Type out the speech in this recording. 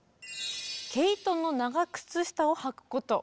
「毛糸の長靴下を履くこと」。